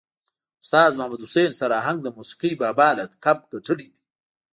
استاذ محمد حسین سر آهنګ د موسیقي بابا لقب ګټلی دی.